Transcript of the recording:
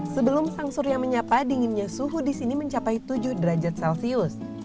sebelum sang surya menyapa dinginnya suhu di sini mencapai tujuh derajat celcius